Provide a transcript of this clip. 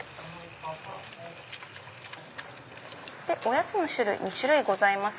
おやつの種類２種類ございます。